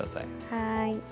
はい。